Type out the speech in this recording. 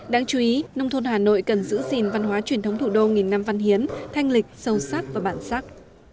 đáng chú ý nông thôn hà nội cần giữ gìn văn hóa truyền thống thủ đô nghìn năm văn hiến thanh lịch sâu sắc và bản sắc